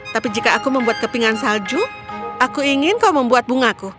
tapi jika aku membuat kepingan salju aku ingin kau membuat bungaku